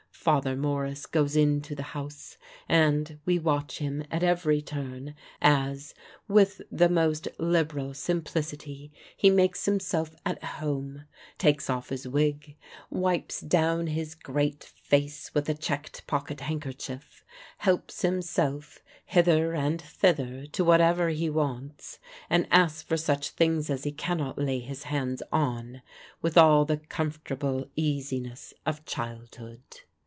Father Morris goes into the house, and we watch him at every turn, as, with the most liberal simplicity, he makes himself at home, takes off his wig, wipes down his great face with a checked pocket handkerchief, helps himself hither and thither to whatever he wants, and asks for such things as he cannot lay his hands on, with all the comfortable easiness of childhood.